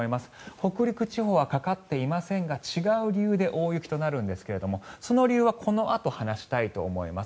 北陸地方はかかっていませんが違う理由で大雪となるんですがその理由はこのあと話したいと思います。